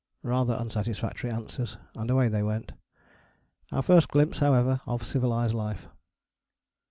Rather unsatisfactory answers and away they went. Our first glimpse, however, of civilized life.